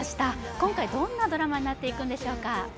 今回どんなドラマになっていくんでしょうか？